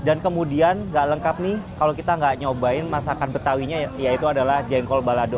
dan kemudian gak lengkap nih kalau kita gak nyobain masakan betawi nya yaitu adalah jengkol balado